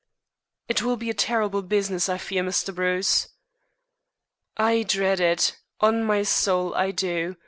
"It will be a terrible business, I fear, Mr. Bruce." "I dread it on my soul I do.